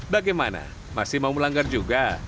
bagaimana masih mau melanggar juga